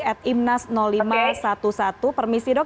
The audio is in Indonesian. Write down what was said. atimnas lima ratus sebelas permisi dok